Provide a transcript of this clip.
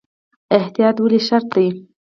احتیاط ولې شرط دی؟